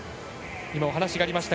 今お話がありました